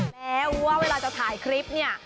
แม้ว่าเวลาจะถ่ายคลิปเนี่ย